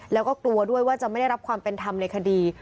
แล้วก็กลัวด้วยว่าจะไม่ได้รับความเป็นธรรมในคดี